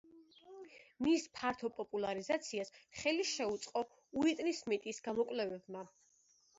მის ფართო პოპულარიზაციას ხელი შეუწყო უიტნი სმიტის გამოკვლევებმა.